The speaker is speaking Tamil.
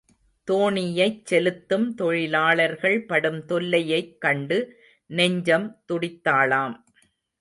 தோணியைச் செலுத்தும் தொழிலாளர்கள் படும் தொல்லையைக் கண்டு நெஞ்சம் துடித்தாளாம்.